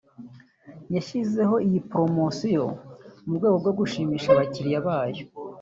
yashyizeho iyi promotion mu rwego rwo gushimisha abakiriya bayo